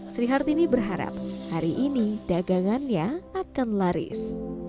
sri hartini berharap hari ini dagangannya akan laris